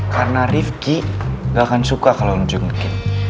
karena rifki gak akan suka kalau lo njunkin